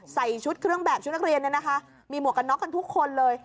ใส่ชุดเครื่องแบบชุดนักเรียนเนี่ยนะคะมีหมวกกันน็อกกันทุกคนเลย